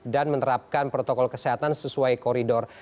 dan menerapkan protokol kesehatan sesuai koridor